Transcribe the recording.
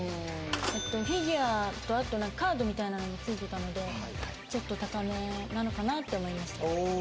フィギュアとあとカードみたいなのも付いてたのでちょっと高めなのかなって思いました